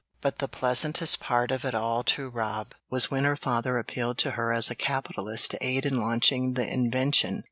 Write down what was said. But the pleasantest part of it all to Rob was when her father appealed to her as a capitalist to aid in launching the invention.